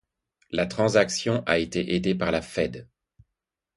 La transaction a été aidée par la Fed.